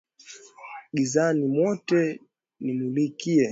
Gizani mwote nimulikie